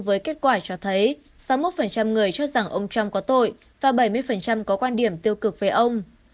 với kết quả cho thấy sáu mươi một người cho rằng ông trump có tội và bảy mươi có quan điểm tiêu cực về ông